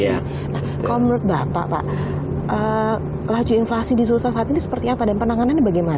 nah kalau menurut bapak pak laju inflasi di sultan saat ini seperti apa dan penanganannya bagaimana